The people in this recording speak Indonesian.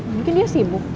mungkin dia sibuk